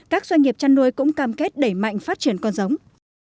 các doanh nghiệp chăn nuôi cũng cam kết đẩy mạnh phát triển con giống